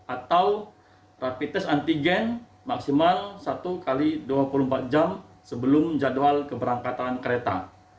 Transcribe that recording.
atau rapid test antigen maksimal satu x dua puluh empat jam sebelum jadwal keberangkatan kereta